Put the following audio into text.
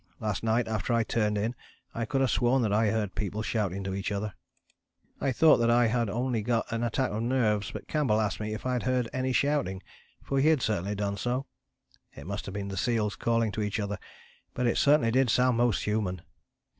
Last night after I turned in I could have sworn that I heard people shouting to each other. "I thought that I had only got an attack of nerves but Campbell asked me if I had heard any shouting, for he had certainly done so. It must have been the seals calling to each other, but it certainly did sound most human.